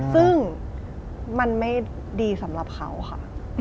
ซึ่งมันไม่ดีสำหรับเขาค่ะ